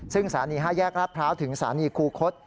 ซึ่งสารณี๕แยกรับพร้าวถึงสารณีคูคศ